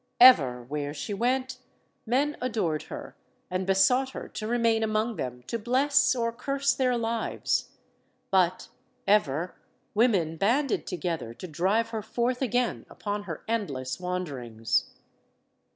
Ever, where she went, men adored her and besought her to remain among them to bless or curse their lives. But, ever, women banded together to drive her forth again upon her endless wanderings.